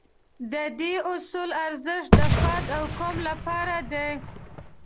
د دې اصول ارزښت د فرد او قوم لپاره دی.